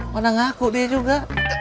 mana ngaku dia juga